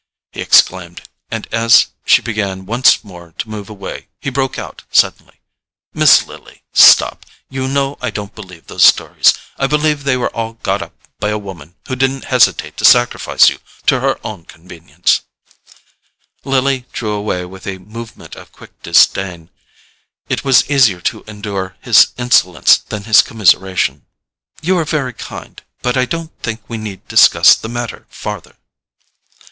he exclaimed; and as she began once more to move away, he broke out suddenly—"Miss Lily—stop. You know I don't believe those stories—I believe they were all got up by a woman who didn't hesitate to sacrifice you to her own convenience——" Lily drew away with a movement of quick disdain: it was easier to endure his insolence than his commiseration. "You are very kind; but I don't think we need discuss the matter farther."